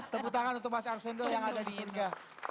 tepuk tangan untuk mas arswendo yang ada di sirga